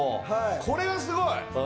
これがすごい。